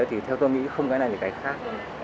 thì theo tôi nghĩ không cái này những cái khác